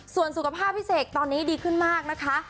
ส่วนสุขภาพพี่เสกตอนนี้ดีขึ้นมากนะคะ